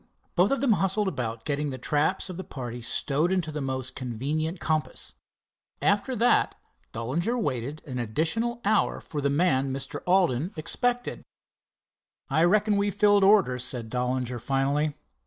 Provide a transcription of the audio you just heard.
Both of them bustled about getting the traps of the party stowed into the most convenient compass. After that Dollinger waited an additional hour for the man Mr. Alden expected. "I reckon we've filled orders," said Dollinger finally.